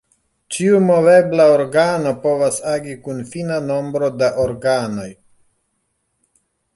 Ĉiu movebla organo povas agi kun fina nombro da organoj.